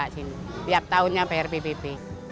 biasanya tiap tahunnya bayar pbb